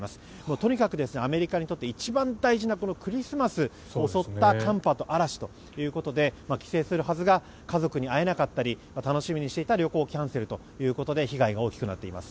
とにかくアメリカにとって一番大事なクリスマスを襲った寒波と嵐ということで帰省するはずが家族に会えなかったり楽しみにしていた旅行がキャンセルということで被害が大きくなっています。